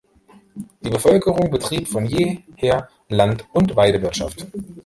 Die Bevölkerung betrieb von jeher Land- und Weidewirtschaft.